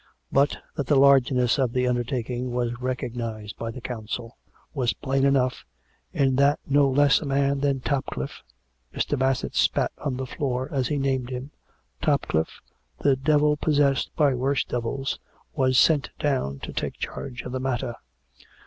But that the largeness of the undertaking was recognised by the Council, was plain enough, in that no less a man than Topcliffe (Mr. Bassett spat on the floor as he named him), Topcliffe, " the devil possessed by worse devils," was sent down to take charge of the matter.